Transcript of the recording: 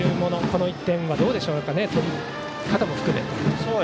この１点はどうでしょう。